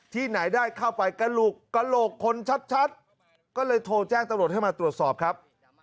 ที่ไหนได้เข้าไปกระโหลกคนชัดก็เลยโทรแจ้งตำรวจให้มาตรวจสอบครับ